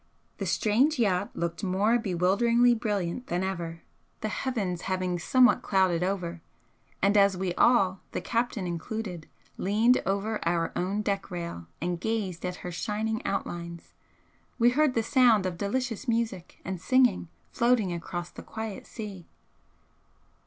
The strange yacht looked more bewilderingly brilliant than ever, the heavens having somewhat clouded over, and as we all, the captain included, leaned over our own deck rail and gazed at her shining outlines, we heard the sound of delicious music and singing floating across the quiet sea.